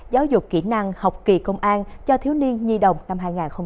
giáo dục kỹ năng học kỳ công an cho thiếu niên nhi đồng năm hai nghìn hai mươi ba